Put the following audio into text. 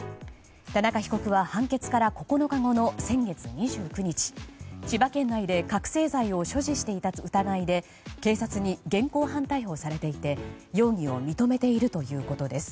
田中被告は判決から９日後の先月２９日千葉県内で覚醒剤を所持していた疑いで警察に現行犯逮捕されていて容疑を認めているということです。